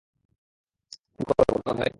কি করবো, গাঙুবাই?